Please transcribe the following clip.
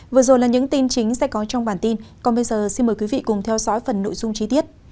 vừa rồi là những tin chính sẽ có trong bản tin còn bây giờ xin mời quý vị cùng theo dõi phần nội dung chi tiết